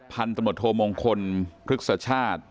พันธมโทมงคลพฤษชาติ